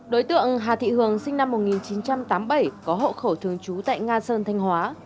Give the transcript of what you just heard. đối tượng hà thị hường sinh năm một nghìn chín trăm tám mươi bảy có hộ khẩu thường trú tại nga sơn thanh hóa